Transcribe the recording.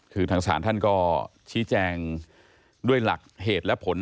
คือทางศาลท่านก็ชี้แจงด้วยหลักเหตุและผล